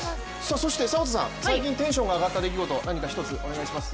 迫田さん、最近テンションが上がった出来事、何か一つお願いします。